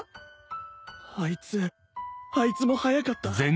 あいつあいつも速かった